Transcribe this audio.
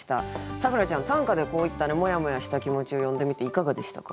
咲楽ちゃん短歌でこういったモヤモヤした気持ちを詠んでみていかがでしたか？